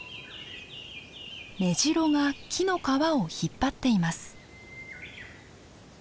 メジロが木の皮を引っ張っています。